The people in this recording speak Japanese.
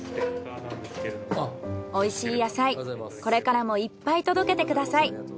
おいしい野菜これからもいっぱい届けてください。